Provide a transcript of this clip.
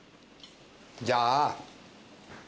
じゃあ。